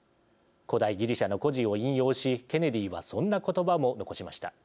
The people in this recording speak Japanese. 古代ギリシャの故事を引用しケネディはそんな言葉も残しました。